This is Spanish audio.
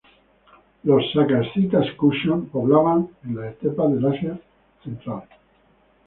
Los śaka-escitas-kushán poblaban en las estepas de Asia Central.